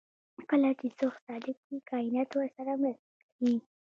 کله چې څوک صادق وي کائنات ورسره مرسته کوي.